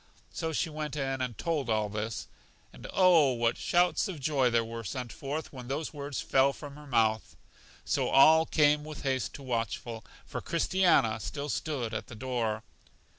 So she went in and told all this. And, oh, what shouts of joy were sent forth when those words fell from her mouth! So all came with haste to Watchful; for Christiana still stood at the door.